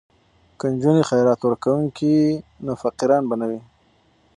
که نجونې خیرات ورکوونکې وي نو فقیران به نه وي.